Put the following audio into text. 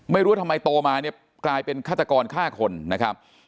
ไม่รู้ทำไมโตมาเนี่ยกลายเป็นฆาตกรฆ่าคนนะครับ